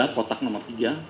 kotak nomor tiga